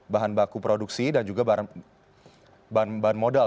bahan baku produksi dan juga bahan bahan modal